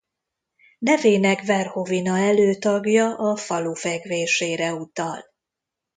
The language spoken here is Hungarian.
Nevének Verhovina előtagja a falu fekvésére utal.